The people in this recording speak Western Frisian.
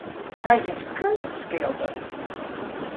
Hy is keunstskilder.